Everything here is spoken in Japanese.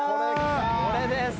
これです。